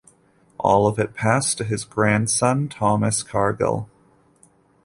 All of it passed to his grandson, Thomas Cargill.